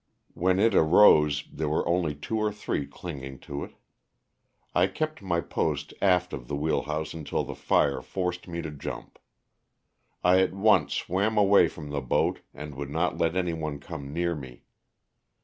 When it arose there were only two or three clinging to it. I kept my post aft of the wheelhouse until the fire forced me to jump. I at once swam away from the boat and would not let anyone come near me.